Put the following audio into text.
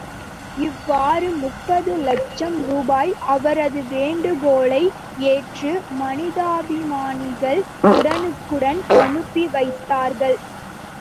இவ்வாறு, முப்பது லட்சம் ரூபாய், அவரது வேண்டுகோளை ஏற்று மனிதாபிமானிகள் உடனுக்குடன் அனுப்பி வைத்தார்கள்.